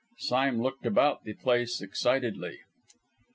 Sime looked about the place excitedly.